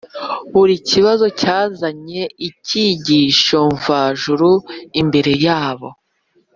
buri kibazo cyazanye ikigisho mvajuru imbere yabo